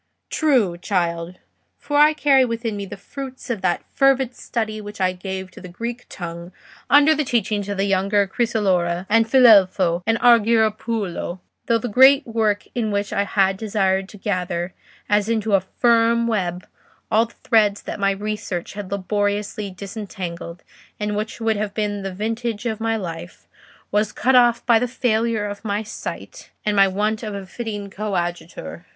"True, child; for I carry within me the fruits of that fervid study which I gave to the Greek tongue under the teaching of the younger Crisolora, and Filelfo, and Argiropulo; though that great work in which I had desired to gather, as into a firm web, all the threads that my research had laboriously disentangled, and which would have been the vintage of my life, was cut off by the failure of my sight and my want of a fitting coadjutor.